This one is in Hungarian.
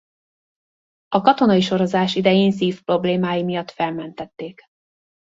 A katonai sorozás idején szívproblémái miatt felmentették.